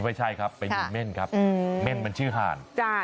ไม่ใช่ครับเป็นหุ่นเม่นครับเม่นเป็นชื่อหาด